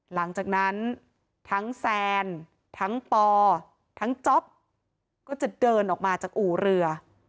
หลังจากนั้นทั้งแซนทั้งปอทั้งจ๊อปก็จะเดินออกมาจากอู่เรือ